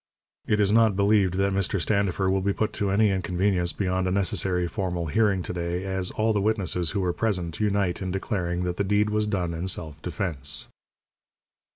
It is not believed that Mr. Standifer will be put to any inconvenience beyond a necessary formal hearing to day, as all the witnesses who were present unite in declaring that the deed was done in self defence.